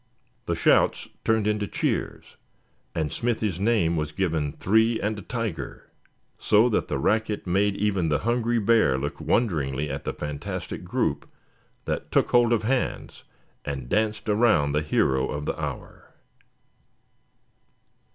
The shouts turned into cheers, and Smithy's name was given three and a tiger; so that the racket made even the hungry bear look wonderingly at the fantastic group that took hold of hands, and danced around the hero of the hour.